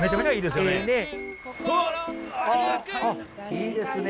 いいですね。